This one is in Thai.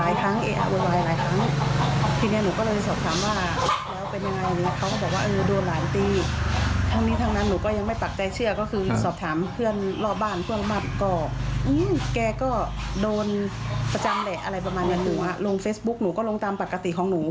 อยู่แล้วในจังหวัลทุ่มหาธุ์เจริญก็ลงตามธรรมดาของหนู